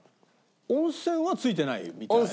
温泉は付いてないみたいね。